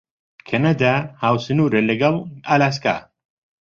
کەنەدا هاوسنوورە لەگەڵ ئالاسکا.